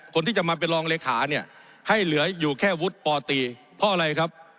คนที่จะมาเป็นรองเลขาเนี่ยให้เหลืออยู่แค่วุฒิปตีเพราะอะไรครับ